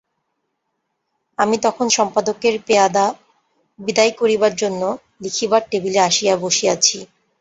আমি তখন সম্পাদকের পেয়াদা বিদায় করিবার জন্য লিখিবার টেবিলে আসিয়া বসিয়াছি।